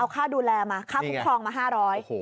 เอาค่าดูแลมาค่าผูกคลองมาห้าร้อย